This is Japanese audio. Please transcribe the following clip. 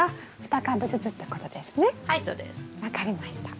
分かりました。